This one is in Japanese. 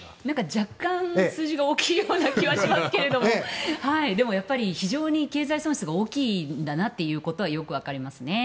若干数字が大きいような気はしますが非常に経済損失が大きいんだなということはよく分かりますね。